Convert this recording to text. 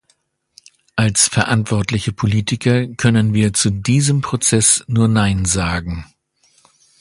Als verantwortliche Politiker können wir zu diesem Prozess nur Nein sagen.